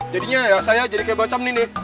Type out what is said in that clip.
jadinya ya saya jadi kayak macam ini deh